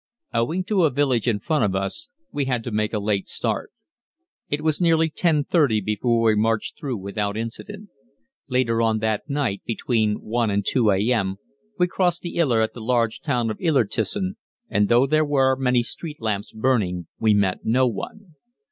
_ Owing to a village in front of us, we had to make a late start. It was nearly 10.30 before we marched through without incident. Later on that night, between 1 and 2 a.m., we crossed the Iller at the large town of Illertissen, and though there were many street lamps burning, we met no one.